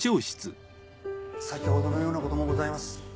先ほどのようなこともございます。